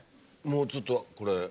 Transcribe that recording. もうちょっとこれ。